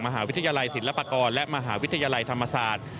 มหาวิทยาลัยศิลปากรและมหาวิทยาลัยธรรมศาสตร์